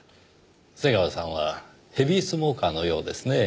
瀬川さんはヘビースモーカーのようですねぇ。